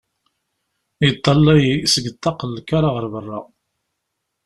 Yeṭṭalay seg ṭṭaq n lkar ɣer berra.